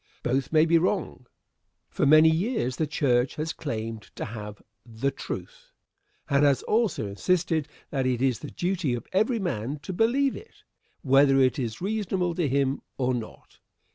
Both may be wrong. For many years the church has claimed to have the "truth," and has also insisted that it is the duty of every man to believe it, whether it is reasonable to him or not.